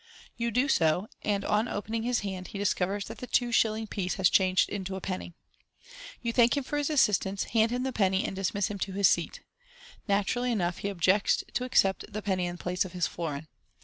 You do so, and on opening his hand he discovers that the two shilling piece has changed into a penny. You thank him for his assistance, hand him tV» penny, and dismiss him to Ins seat. Naturally enough, he oojects to accept the penny in place of his florin.